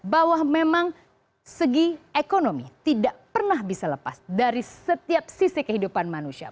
bahwa memang segi ekonomi tidak pernah bisa lepas dari setiap sisi kehidupan manusia